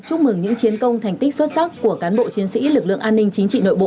chúc mừng những chiến công thành tích xuất sắc của cán bộ chiến sĩ lực lượng an ninh chính trị nội bộ